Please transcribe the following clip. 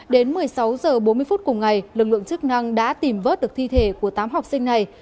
đến một mươi sáu h bốn mươi phút cùng ngày lực lượng chức năng đã tìm vớt được thi thể của tám học sinh này